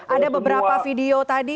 ada beberapa video tadi